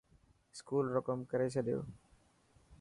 اسڪول رو ڪم ڪري ڇڏيو.